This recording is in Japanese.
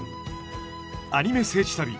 「アニメ聖地旅」。